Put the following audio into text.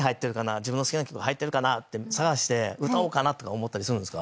自分の好きな曲入ってるかな？って探して歌おうかなとか思ったりするんですか？